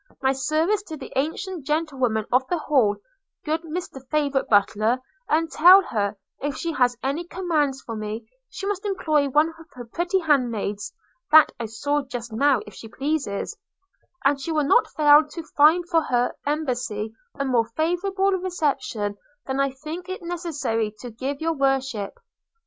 My service to the ancient gentlewoman of the Hall, good Mr favourite butler, and tell her, if she has any commands for me, she must employ one of her pretty handmaids (that I saw just now, if she pleases); and she will not fail to find for her embassy a more favourable reception than I think it necessary to give your worship.'